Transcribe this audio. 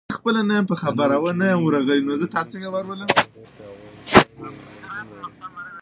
دا نوی ډرون د ویډیو اخیستلو لپاره ډېر پیاوړي وزرونه لري.